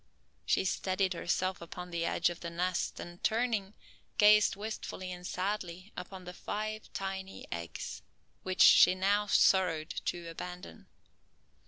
She steadied herself upon the edge of the nest and, turning, gazed wistfully and sadly upon the five tiny eggs, which she now sorrowed to abandon.